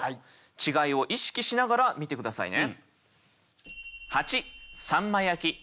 違いを意識しながら見て下さいね。